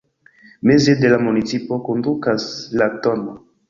Meze de la municipo kondukas la tn.